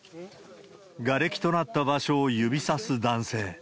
がれきとなった場所を指さす男性。